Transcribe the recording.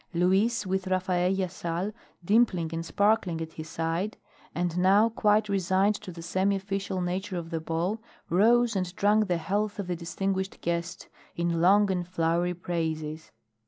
Luis, with Rafaella Sal dimpling and sparkling at his side, and now quite resigned to the semi official nature of the ball, rose and drank the health of the distinguished guest in long and flowery praises.